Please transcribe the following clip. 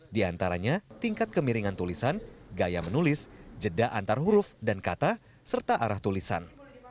di antaranya tingkat kemiringan tulisan gaya menulis jeda antar huruf dan kata serta arah tulisan